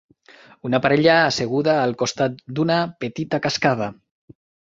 Una parella asseguda al costat d'una petita cascada.